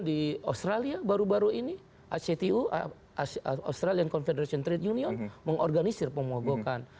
di australia baru baru ini actu australian confederation trade union mengorganisir pemogokan